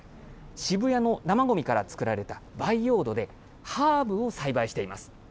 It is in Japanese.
渋谷の生ごみから作られた培養土で、ハーブを栽培しています。